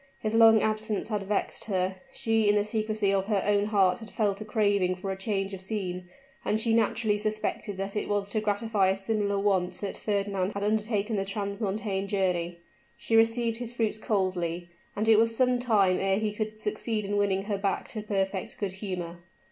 His long absence had vexed her: she in the secrecy of her own heart had felt a craving for a change of scene and she naturally suspected that it was to gratify a similar want that Fernand had undertaken the transmontane journey. She received his fruits coldly; and it was some time ere he could succeed in winning her back to perfect good humor.